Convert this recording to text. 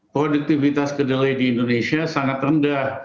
produktivitas kedelai di indonesia sangat rendah